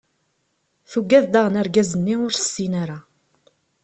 Tuggad daɣen argaz-nni ur tessin ara.